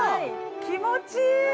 気持ちいい。